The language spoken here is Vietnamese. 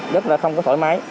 rất là không có thoải mái